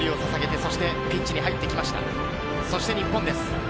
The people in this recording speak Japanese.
そして日本です。